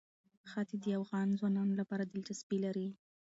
ښتې د افغان ځوانانو لپاره دلچسپي لري.